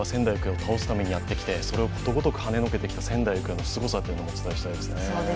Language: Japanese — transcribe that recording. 全高校を仙台育英を倒すためにやってきてそれをことごとくはねのけてきた仙台育英のすごさもお伝えしたいですね。